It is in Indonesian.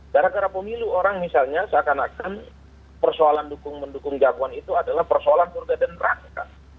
gara gara pemilu orang misalnya seakan akan persoalan mendukung jagoan itu adalah persoalan surga dan rangka